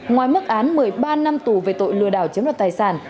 ngoài mức án một mươi ba năm tù về tội lừa đảo chiếm đoạt tài sản